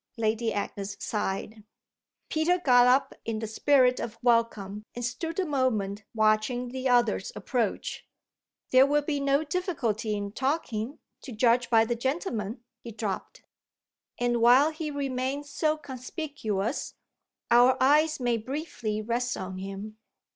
Lady Agnes sighed. Peter got up in the spirit of welcome and stood a moment watching the others approach. "There will be no difficulty in talking, to judge by the gentleman," he dropped; and while he remains so conspicuous our eyes may briefly rest on him.